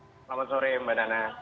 selamat sore mbak nana